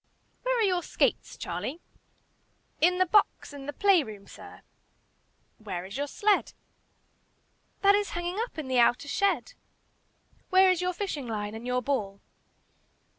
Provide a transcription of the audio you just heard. "Where are your skates, Charlie?" "In my box in the play room, sir." "Where is your sled?" "That is hanging up in the outer shed." "Where is your fishing line and your ball?"